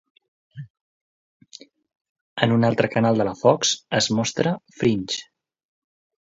En un altre canal de la Fox, es mostra "Fringe".